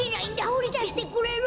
ほりだしてくれる？